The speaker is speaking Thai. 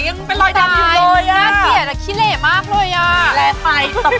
ยังเป็นลอยตัวอยู่เลยอะแม่ขี้เหล่มากเลยอะแม่ขี้เหล่เลยอะ